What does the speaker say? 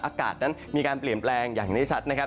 อากาศนั้นมีการเปลี่ยนแปลงอย่างที่ชัดนะครับ